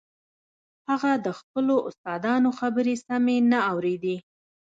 هغه د خپلو استادانو خبرې سمې نه اورېدې.